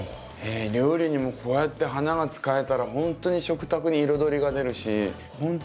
料理にもこうやって花が使えたらほんとに食卓に彩りが出るしほんと